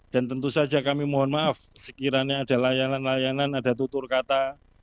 tentu saja kami mohon maaf sekiranya ada layanan layanan ada tutur kata